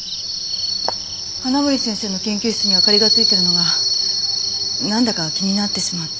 花森先生の研究室に明かりがついてるのがなんだか気になってしまって。